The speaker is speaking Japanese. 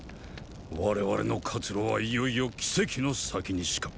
我々の活路はいよいよ奇跡の先にしか。